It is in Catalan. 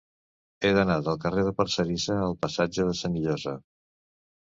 He d'anar del carrer de Parcerisa al passatge de Senillosa.